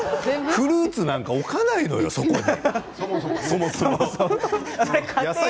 フルーツなんて置かないのよ、そこに。